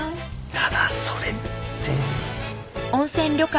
ただそれって。